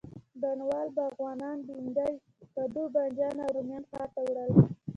بڼوال، باغوانان، بینډۍ، کدو، بانجان او رومیان ښار ته وړل.